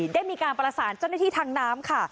ได้มีการประสานเจ้าหน้าที่ทางน้ำค่ะ